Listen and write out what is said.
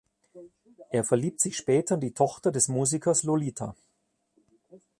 Er verliebt sich später in die Tochter des Musikers Lolita.